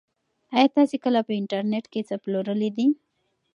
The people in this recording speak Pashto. ایا تاسي کله په انټرنيټ کې څه پلورلي دي؟